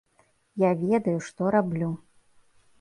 Я ведаю, што раблю.